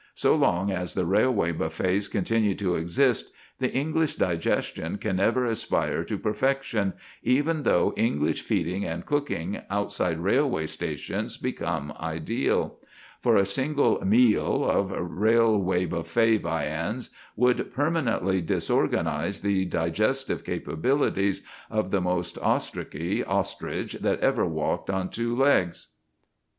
So long as the railway buffets continue to exist, the English digestion can never aspire to perfection, even though English feeding and cooking outside railway stations became ideal; for a single "meal" of railway buffet viands would permanently disorganise the digestive capabilities of the most ostrichy ostrich that ever walked on two legs.